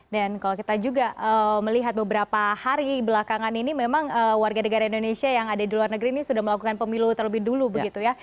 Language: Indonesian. dan kalau kita juga melihat beberapa hari belakangan ini memang warga negara indonesia yang ada di luar negeri ini sudah melakukan pemilu terlebih dulu begitu ya